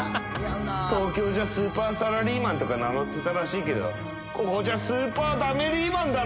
東京じゃあスーパーサラリーマンとか名乗ってたらしいけど、ここじゃ、スーパーだめリーマンだな。